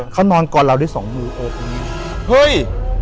เขานอนกอดเราด้วยสองมือโอบอย่างนี้เฮ้ย